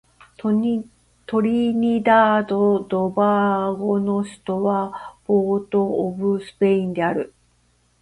トリニダード・トバゴの首都はポートオブスペインである